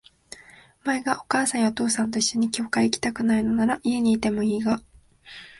お前がお母さんやお父さんと一緒に教会へ行きたくないのなら、家にいてもいいが、